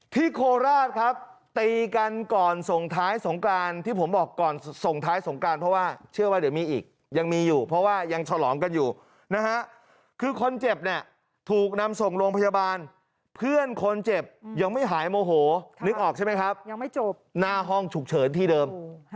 โคราชครับตีกันก่อนส่งท้ายสงกรานที่ผมบอกก่อนส่งท้ายสงการเพราะว่าเชื่อว่าเดี๋ยวมีอีกยังมีอยู่เพราะว่ายังฉลองกันอยู่นะฮะคือคนเจ็บเนี่ยถูกนำส่งโรงพยาบาลเพื่อนคนเจ็บยังไม่หายโมโหนึกออกใช่ไหมครับยังไม่จบหน้าห้องฉุกเฉินที่เดิม